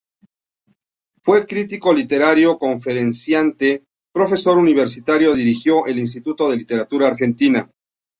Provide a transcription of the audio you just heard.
Fue crítico literario, conferenciante, profesor universitario; dirigió el Instituto de Literatura Argentina.